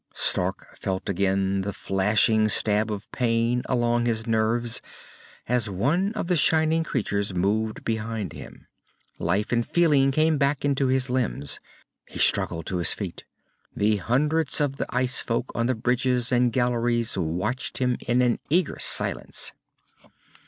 Stark felt again the flashing stab of pain along his nerves, as one of the shining creatures moved behind him. Life and feeling came back into his limbs. He struggled to his feet. The hundreds of the ice folk on the bridges and galleries watched him in an eager silence.